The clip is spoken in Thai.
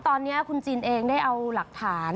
ตอนนี้คุณจินเองได้เอาหลักฐาน